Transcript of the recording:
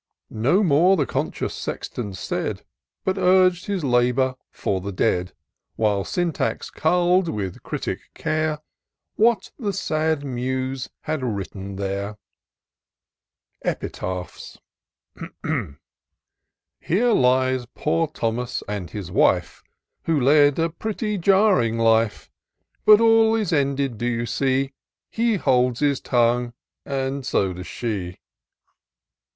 No more the conscious Sexton said. But urg'd his labours for the dead ; While Syntax cull*d, with critic care, What the sad Muse had written there. IN SEARCH OF THE PICTURESQUE. 77 EPITAPHS. " Here lies poor Thomas and his wife, Who led a pretty jarring life; But all is ended, do you see ? He holds his tongue, and so does she."